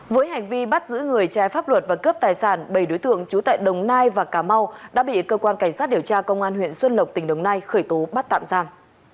với hành vi bắt giữ người trái pháp luật và cướp tài sản bảy đối tượng trú tại đồng nai và cà mau đã bị cơ quan cảnh sát điều tra công an huyện xuân lộc tỉnh đồng nai khởi tố bắt tạm giam